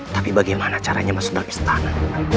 tapi bagaimana caranya masuk dari istana